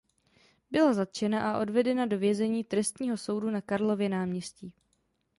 Byla zatčena a odvedena do vězení trestního soudu na Karlově náměstí.